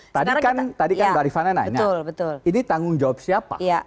tadi kan mbak arifana nanya ini tanggung jawab siapa